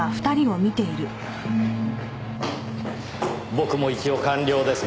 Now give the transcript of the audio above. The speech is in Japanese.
僕も一応官僚ですがね。